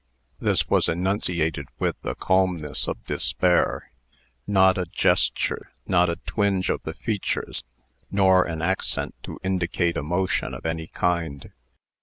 This was enunciated with the calmness of despair. Not a gesture, nor a twinge of the features, nor an accent to indicate emotion of any kind.